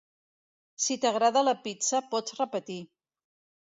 Si t'agrada la pizza, pots repetir.